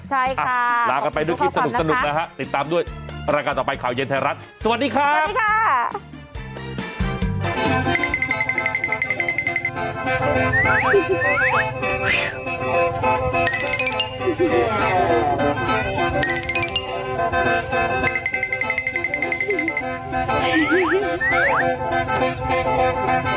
ใช่ค่ะขอบคุณทุกคนนะครับติดตามด้วยรายการต่อไปข่าวเย็นไทยรัฐสวัสดีค่ะสวัสดีค่ะ